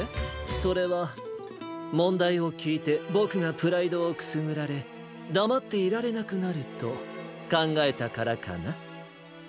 それはもんだいをきいてボクがプライドをくすぐられだまっていられなくなるとかんがえたからかな？